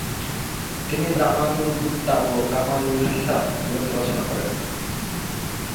তিনি জামালুল কুত্তাব ও কামালুল হিসাব গ্রন্থ রচনা করেন।